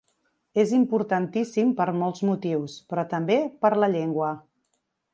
És importantíssim per molts motius, però també per la llengua.